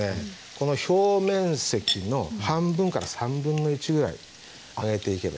この表面積の半分から３分の１ぐらい揚げていけばいいです。